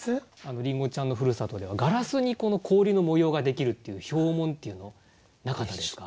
りんごちゃんのふるさとではガラスに氷の模様ができるっていう氷紋っていうのなかったですか？